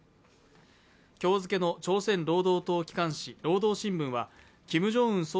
今日付の朝鮮労働党機関紙「労働新聞」はキム・ジョンウン